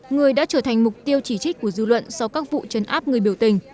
người đã trở thành mục tiêu chỉ trích của dư luận sau các vụ chấn áp người biểu tình